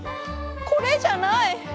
これじゃない！